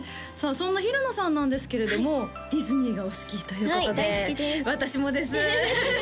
そんな平野さんなんですけれどもディズニーがお好きということではい大好きです私もです